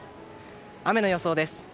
雨の予想です。